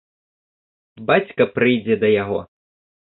Бацька прыйдзе да яго.